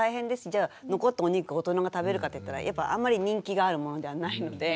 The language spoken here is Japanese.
じゃあ残ったお肉を大人が食べるかといったらやっぱあんまり人気があるものではないので。